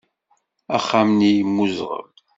Axxam-nni yemmuẓɣel.